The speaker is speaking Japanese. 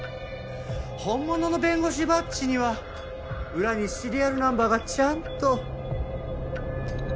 本物の弁護士バッジには裏にシリアルナンバーがちゃんと。